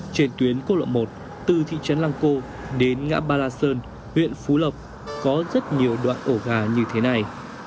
trên tuyến quốc lộ một từ thị trấn lăng cô đến ngã ba la sơn huyện phú lộc có rất nhiều đoạn ổ gà như thế này